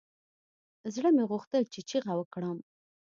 زړه مې غوښتل چې چيغه وکړم.